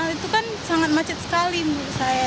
itu kan sangat macet sekali menurut saya